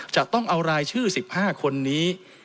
จะต้องเอารายชื่อ๑๕คนนี้